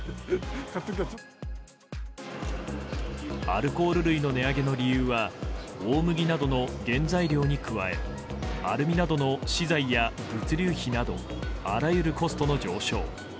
アルコール類の値上げの理由は大麦などの原材料に加えアルミなどの資材や物流費などあらゆるコストの上昇。